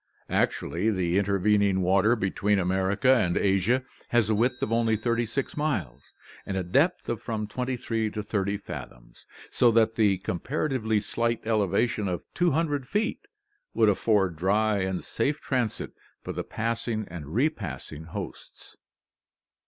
Actually the intervening water between America and Asia has a width of only 36 miles and a depth of from 23 to 30 fathoms, so that the comparatively slight elevation of 200 feet would afford dry and safe transit for the passing and re passing hosts.